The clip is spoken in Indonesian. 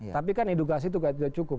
tapi kan edukasi itu kayak tidak cukup